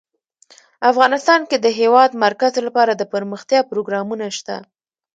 افغانستان کې د د هېواد مرکز لپاره دپرمختیا پروګرامونه شته.